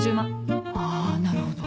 あなるほど。